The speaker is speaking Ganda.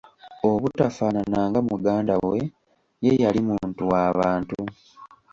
Obutafaanana nga muganda we, ye yali muntu waabantu.